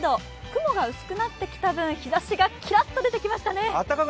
雲が薄くなってきた分、日ざしがきらっと出てきましたね。